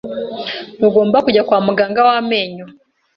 Ntugomba kujya kwa muganga w amenyo.